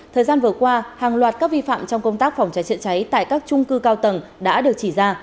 thời gian vừa qua hàng loạt các vi phạm trong công tác phòng cháy chữa cháy tại các trung cư cao tầng đã được chỉ ra